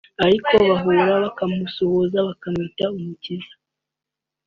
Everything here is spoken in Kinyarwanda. ariko bahura bakamusuhuza bamwita umukire